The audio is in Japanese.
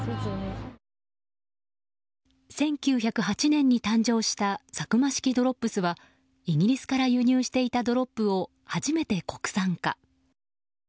１９０８年に誕生したサクマ式ドロップスはイギリスから輸入していたドロップを初めて国産化。